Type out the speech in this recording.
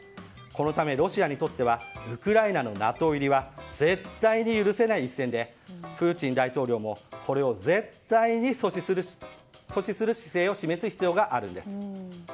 このためロシアにとってはウクライナのＮＡＴＯ入りは絶対に許せない一線でプーチン大統領もこれを絶対に阻止する姿勢を示す必要があるんです。